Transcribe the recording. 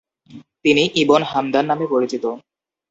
তিনি Ibn Hamdan নামে পরিচিত।